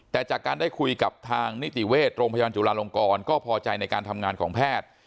แต่จากการได้คุยกับทางนิติเวชโรงพยาบาลจุลาลงกรก็พอใจในการทำงานของแพทย์